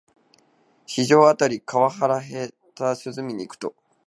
四条あたりの河原へ夕涼みに行くと、